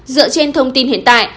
dựa trên thông tin hiện tại